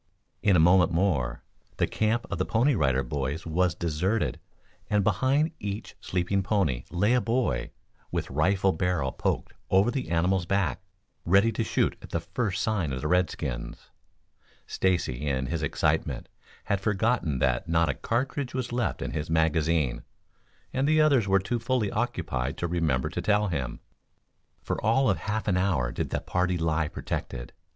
In a moment more, the camp of the Pony Rider Boys was deserted, and behind each sleeping pony lay a boy, with rifle barrel poked over the animal's back, ready to shoot at the first sign of the redskins. Stacy, in his excitement, had forgotten that not a cartridge was left in his magazine, and the others were too fully occupied to remember to tell him. For all of half an hour did the party lie protected.